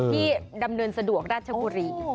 ดำเนินสะดวกราชบุรี